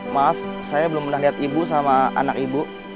maaf saya belum pernah lihat ibu sama anak ibu